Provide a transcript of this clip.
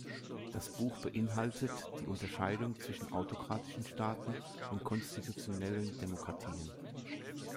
Das Buch beinhaltet die Unterscheidung zwischen autokratischen Staaten und konstitutionellen Demokratien.